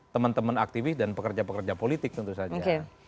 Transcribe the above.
teman teman aktivis dan pekerja pekerja politik tentu saja